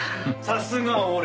さすが俺。